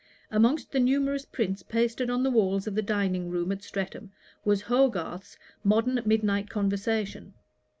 Amongst the numerous prints pasted on the walls of the dining room at Streatham, was Hogarth's 'Modern Midnight Conversation.'